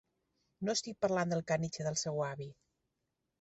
No estic parlant del caniche del seu avi.